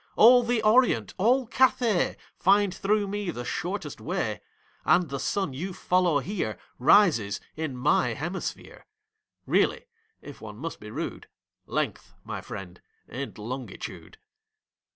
All the Orient, all Cathay, Find through me the shortest way; And the sun you follow here Rises in my hemisphere. Really,—if one must be rude,— Length, my friend, ain't longitude."